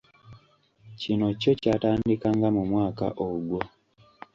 Kino kyo kyatandika nga mu mwaka ogwo.